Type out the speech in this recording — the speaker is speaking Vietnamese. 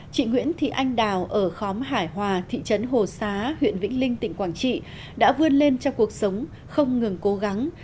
chị nguyễn thị anh đào ở khóm hải hòa thị trấn hồ xá huyện vĩnh linh tỉnh quảng trị đã vươn lên trong cuộc sống không ngừng cố gắng